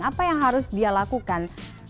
apa yang harus dia lakukan